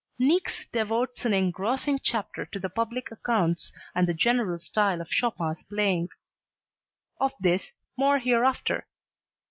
Niecks devotes an engrossing chapter to the public accounts and the general style of Chopin's playing; of this more hereafter.